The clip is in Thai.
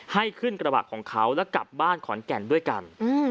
ให้ขึ้นกระบะของเขาแล้วกลับบ้านขอนแก่นด้วยกัน